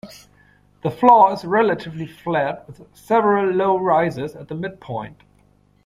The floor is relatively flat with several low rises at the midpoint.